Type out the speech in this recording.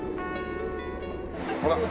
ほら。